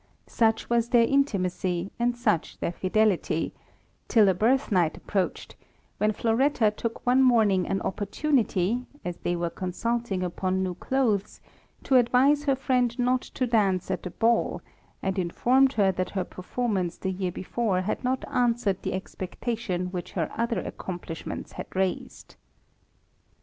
Such was their intimacy, and such their fidelity ; till a birth night approached, when Floretta took one morning an opportunity, as they were consulting upon new clothes, to advise her friend not to dance at the ball, and informed her that her performance the year before had not answered the expectation which her other accomplishments had raised.